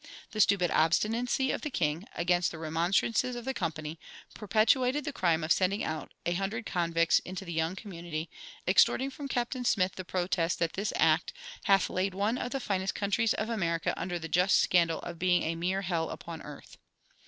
The stupid obstinacy of the king, against the remonstrances of the Company, perpetrated the crime of sending out a hundred convicts into the young community, extorting from Captain Smith the protest that this act "hath laid one of the finest countries of America under the just scandal of being a mere hell upon earth."